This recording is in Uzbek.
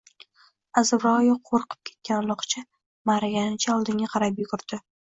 Azbaroyi qoʻrqib ketgan uloqcha maʼraganicha oldinga qarab yugurdi